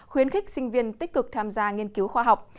khuyến khích sinh viên tích cực tham gia nghiên cứu khoa học